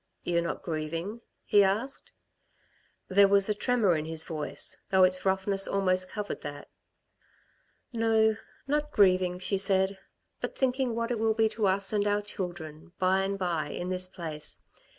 "You're not grieving?" he asked. There was a tremor in his voice, though its roughness almost covered that. "No, not grieving," she said. "But thinking what it will be to us and our children, by and by, in this place.